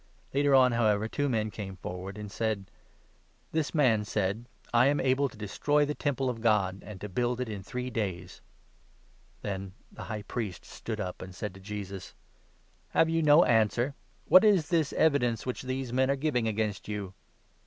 Later on, however, two men came forward and 61 said :" This man said ' I am able to destroy the Temple of God, and to build it in three days.'" Then the High Priest stood up, and said to Jesus : 62 " Have you no answer? What is this evidence which these men are giving against you ?